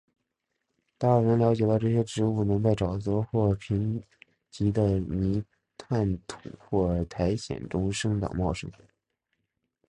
达尔文了解到这些植物能在沼泽或贫瘠的泥炭土或苔藓中生长茂盛。